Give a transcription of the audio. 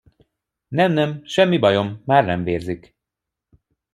Nem, nem, semmi bajom, már nem vérzik.